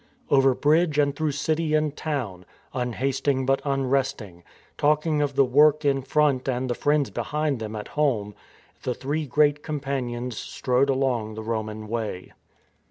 Over bridge and through city and town, unhasting but unresting, talking of the work in front and the friends behind them at home, the three great companions strode along the Roman Way.